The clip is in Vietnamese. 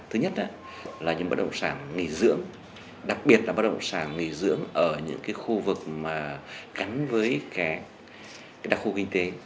thứ nhất là những bất động sản nghỉ dưỡng đặc biệt là bất động sản nghỉ dưỡng ở những khu vực mà cắn với đặc khu kinh tế